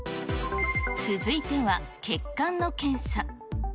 続いては、血管の検査。